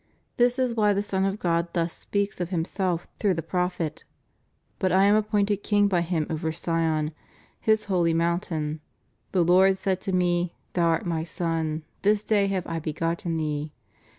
This is why the Son of God thus speaks of Himself through the Prophet: But I am appointed king hy Him over Sion, His holy moun tain. ... The Lord said to Me, Thou art My Son, this day have I begotten Thee.